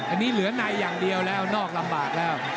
อันนี้เหลือในอย่างเดียวแล้วนอกลำบากแล้ว